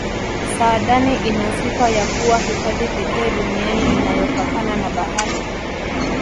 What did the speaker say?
saadani ina sifa ya kuwa hifadhi pekee duniani inayopakana na bahari